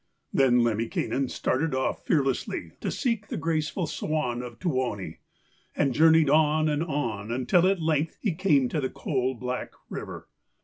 Then Lemminkainen started off fearlessly to seek the graceful swan of Tuoni, and journeyed on and on until at length he came to the coal black river.